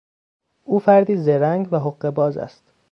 او فردی زرنگ و حقهباز است.